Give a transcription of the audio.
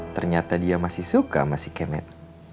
ternyata dia masih suka sama si kemet